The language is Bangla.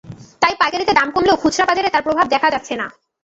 তাই পাইকারিতে দাম কমলেও খুচরা বাজারে তার প্রভাব দেখা যাচ্ছে না।